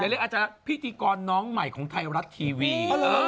อย่าเรียกอาจารย์พิธีกรน้องใหม่ของไทยรัฐทีวี